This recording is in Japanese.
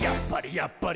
やっぱり！」